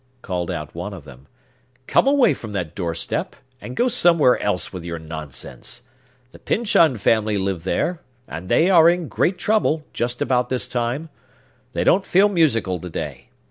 called out one of them,—"come away from that doorstep, and go somewhere else with your nonsense! The Pyncheon family live there; and they are in great trouble, just about this time. They don't feel musical to day.